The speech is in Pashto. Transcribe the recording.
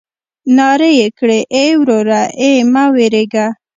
نارې يې کړې ای وروره ای مه وېرېږه.